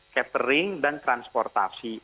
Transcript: catering dan transportasi